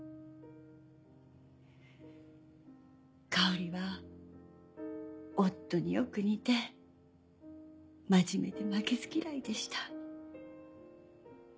香織は夫によく似て真面目で負けず嫌いでした。